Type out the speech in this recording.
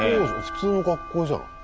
普通の学校じゃん。